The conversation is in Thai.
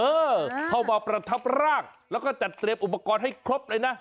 เออเข้ามาประทับร่างแล้วก็จัดเตรียมอุปกรณ์ให้ครบเลยนะ